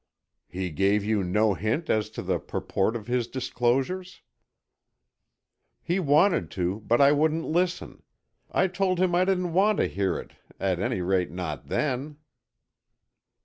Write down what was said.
"He gave you no hint as to the purport of his disclosures?" "He wanted to, but I wouldn't listen. I told him I didn't want to hear it, at any rate, not then."